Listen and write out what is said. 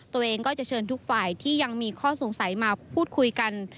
ตัวเองก็จะเชิญทุกฝ่ายที่ยังมีข้อสงสัยมาพูดคุยกัน